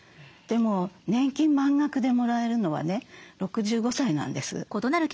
でも年金満額でもらえるのはね６５歳なんです。